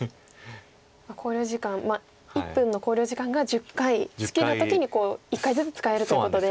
考慮時間１分の考慮時間が１０回好きな時に１回ずつ使えるということで。